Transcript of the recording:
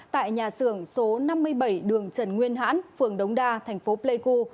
tại nhà xưởng số năm mươi bảy đường trần nguyên hãn phường đống đa thành phố pleiku